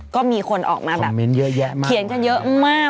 ก็มีคนออกมาแบบเขียนกันเยอะมาก